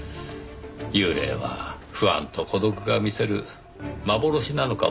幽霊は不安と孤独が見せる幻なのかもしれませんねぇ。